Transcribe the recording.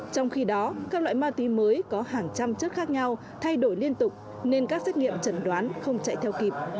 trong khi đó các loại ma túy mới có hàng trăm chất khác nhau thay đổi liên tục nên các xét nghiệm chẩn đoán không chạy theo kịp